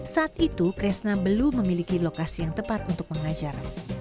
saat itu kresna belum memiliki lokasi yang tepat untuk mengajar